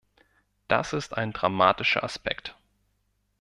Das ist ein dramatischer Aspekt.